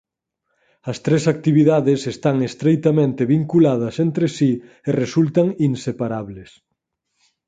As tres actividades están estreitamente vinculadas entre si e resultan inseparables.